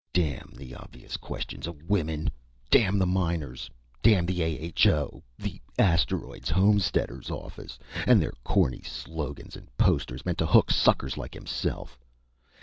Damn the obvious questions of women! Damn the miners. Damn the A.H.O. the Asteroids Homesteaders Office and their corny slogans and posters, meant to hook suckers like himself!